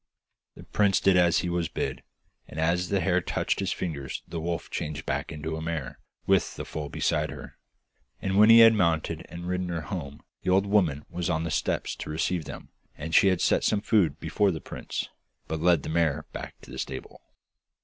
The prince did as he was bid, and as the hair touched his fingers the wolf changed back into a mare, with the foal beside her. And when he had mounted and ridden her home the old woman was on the steps to receive them, and she set some food before the prince, but led the mare back to her stable.